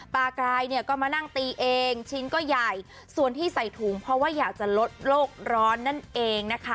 กลายเนี่ยก็มานั่งตีเองชิ้นก็ใหญ่ส่วนที่ใส่ถุงเพราะว่าอยากจะลดโลกร้อนนั่นเองนะคะ